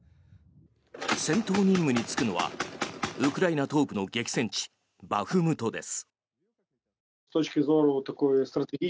戦闘任務に就くのはウクライナ東部の激戦地バフムトです。